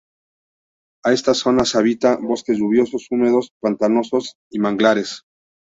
En estas zonas habita bosque lluviosos y húmedos, pantanos y manglares.